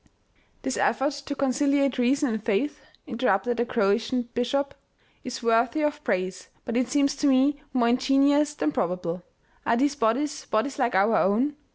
" This effort to conciliate reason and faith," interrupted the Croatian bishop, " is worthy of praise, but it seems to me more ingenious than probable. Are these bodies, bodies like our own?